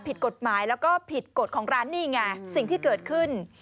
ผิดกฎหมายแล้วก็ผิดกฎของร้านนี่ไงสิ่งที่เกิดขึ้น